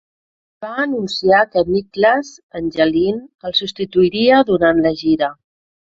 Es va anunciar que Niklas Engelin el substituiria durant la gira.